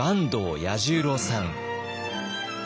彌十郎さん。